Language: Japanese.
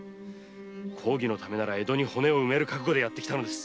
公儀のためなら江戸に骨を埋める覚悟でやって来たのです。